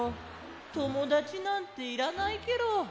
ともだちなんていらないケロ。